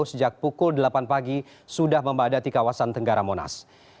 sejak pukul delapan pagi sudah membadati kawasan tenggara monas